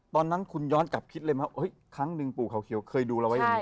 ตอนนั้นคุณย้อนกลับคิดเลยไหมครั้งหนึ่งปู่เขาเขียวเคยดูเราไว้อย่างนี้